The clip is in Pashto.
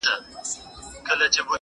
دوی به دواړه وي سپاره اولس به خر وي.